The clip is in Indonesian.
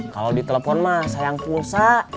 kalau ditelepon mah sayang pulsa